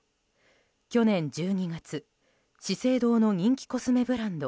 去年１２月資生堂の人気コスメブランド